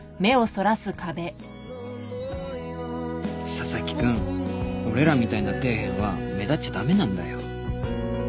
佐々木君俺らみたいな底辺は目立っちゃ駄目なんだよ